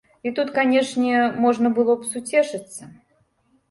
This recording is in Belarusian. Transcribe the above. І тут, канечне, можна было б суцешыцца.